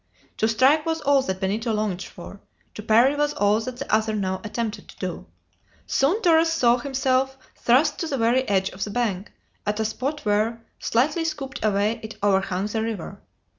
To strike was all that Benito longed for; to parry was all that the other now attempted to do. Soon Torres saw himself thrust to the very edge of the bank, at a spot where, slightly scooped away, it overhung the river.